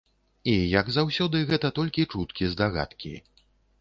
І, як заўсёды, гэта толькі чуткі-здагадкі.